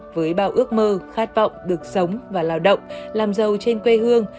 với bao ước mơ khát vọng được sống và lao động làm giàu trên quê hương